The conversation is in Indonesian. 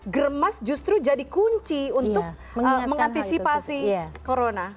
germas justru jadi kunci untuk mengantisipasi corona